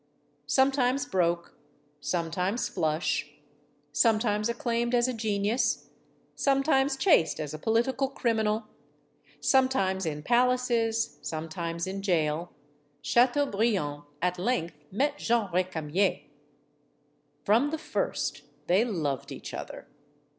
Sometimes broke, sometimes flush, sometimes acclaimed as a genius, sometimes chased as a political criminal, sometimes in palaces, sometimes in jail Chateaubriand at length met Jeanne Recamier. From the first they loved each other.